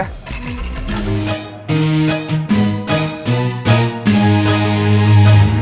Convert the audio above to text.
oke makasih ya